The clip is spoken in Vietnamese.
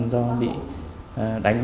do bị đánh